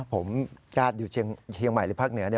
ผมชายอาจอยู่เชียงใหม่หรือภาคเหนือเนี่ย